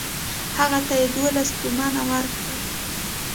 هغه ته یې دوولس تومنه ورکړل.